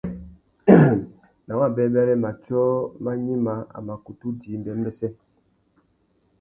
Nà wabêbêrê, matiō mà gnïmá, a mà kutu djï mbêmbêssê.